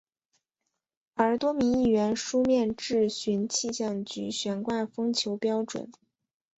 而多名议员书面质询气象局悬挂风球标准。